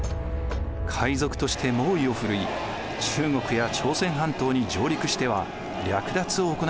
海賊として猛威をふるい中国や朝鮮半島に上陸しては略奪を行っていました。